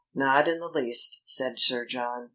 "Not in the least," said Sir John.